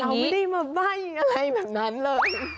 เราไม่ได้มาใบ้อะไรแบบนั้นเลย